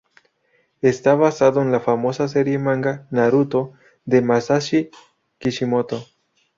Está basado en la famosa serie manga "Naruto" de Masashi Kishimoto.